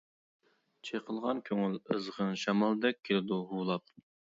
چېقىلغان كۆڭۈل ئىزغىرىن شامالدەك كېلىدۇ ھۇۋلاپ.